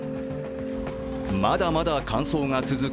まだまだ乾燥が続く